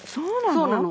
そうなの。